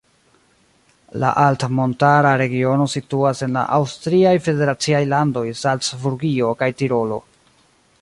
La altmontara regiono situas en la aŭstriaj federaciaj landoj Salcburgio kaj Tirolo.